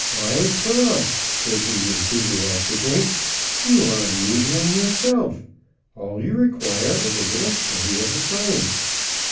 "Why Prof.," said he enthusiastically, "you are a medium yourself. All you require is a little study of the science.